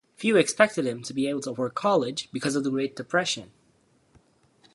Few expected him to be able to afford college because of the Great Depression.